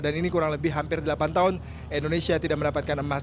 dan ini kurang lebih hampir delapan tahun indonesia tidak mendapatkan emas